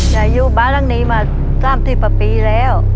ยายอยู่บ้านหลังนี้มาตามที่ปะปีแล้ว